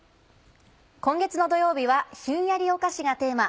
今月の土曜日はひんやりお菓子がテーマ。